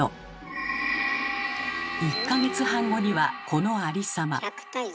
１か月半後にはこのありさま。